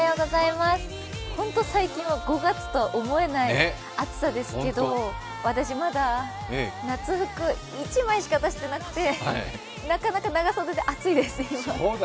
ほんと最近は５月とは思えない暑さですけれども私、まだ夏服、１枚しか出してなくてなかなか長袖で暑いです、今。